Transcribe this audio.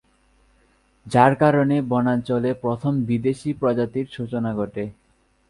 যার কারণে বনাঞ্চলে প্রথম বিদেশি প্রজাতির সূচনা ঘটে।